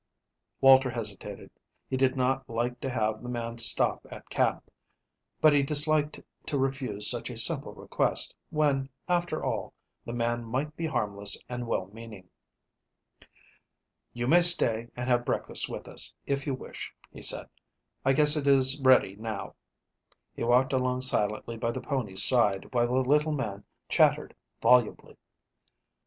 Walter hesitated. He did not like to have the man stop at camp, but he disliked to refuse such a simple request, when, after all, the man might be harmless and well meaning. "You may stay and have breakfast with us, if you wish," he said. "I guess it is ready now." He walked along silently by the pony's side while the little man chattered volubly.